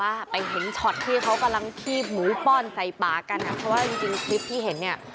ครับที่บอกว่าเป็นทองนี่ที่เขากำลังเพียบหมูป้อนใส่ปากันนะเพราะว่าจริงจริงคลิปที่เห็นเนี่ย